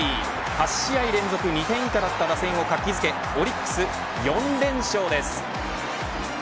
８試合連続２点以下だった打線を活気づけオリックス、４連勝です。